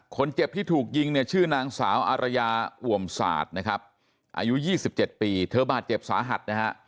คนเจ็บที่ถูกยิงชื่อนางสาวอารยาอว่มสาดอายุ๒๗ปีเทอบาทเจ็บสาหัส